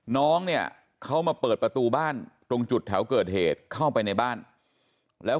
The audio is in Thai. น้องเนี่ยเขามาเปิดประตูบ้านตรงจุดแถวเกิดเหตุเข้าไปในบ้านแล้ว